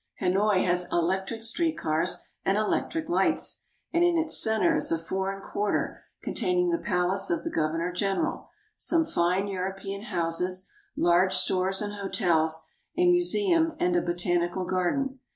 Hanoi has electric street cars and electric lights, and in its center is a foreign quarter containing the palace of the Governor general, some fine European houses, large stores and hotels, a museum and a botanical garden.